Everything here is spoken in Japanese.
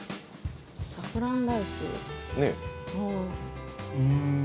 サフランライス？ねぇ